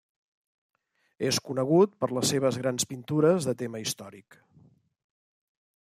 És conegut per les seves grans pintures de tema històric.